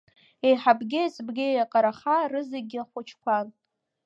Еиҳабгьы еиҵбгьы еиҟараха, рызагьы хәыҷқәан.